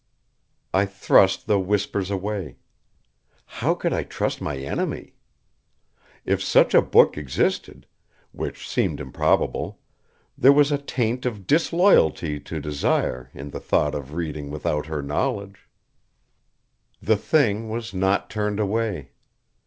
I thrust the whispers away. How could I trust my enemy? If such a book existed, which seemed improbable, there was a taint of disloyalty to Desire in the thought of reading without her knowledge. The Thing was not turned away.